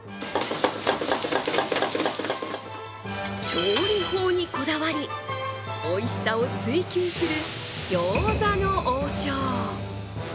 調理法にこだわりおいしさを追求する餃子の王将。